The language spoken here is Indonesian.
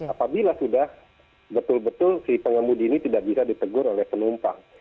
apabila sudah betul betul si pengemudi ini tidak bisa ditegur oleh penumpang